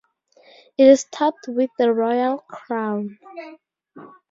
It is topped with a royal crown.